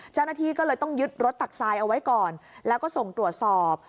เจ้าหน้าที่ก็เลยต้องยึดรถตักทรายเอาไว้ก่อนแล้วก็ส่งตรวจสอบ